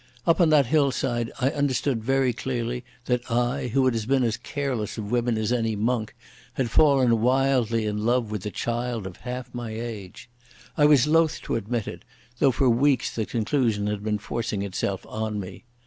Up on that hillside I understood very clearly that I, who had been as careless of women as any monk, had fallen wildly in love with a child of half my age. I was loath to admit it, though for weeks the conclusion had been forcing itself on me.